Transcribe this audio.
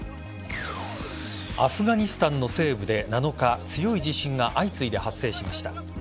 アフガニスタンの西部で７日強い地震が相次いで発生しました。